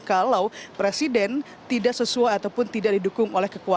kalau presiden tidak sesuai ataupun tidak didukung